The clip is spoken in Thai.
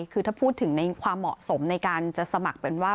คือถ้าพูดถึงในความเหมาะสมในการจะสมัครเป็นว่า